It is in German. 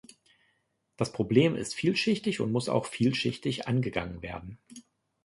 Das Problem ist vielschichtig und muss auch vielschichtig angegangen werden.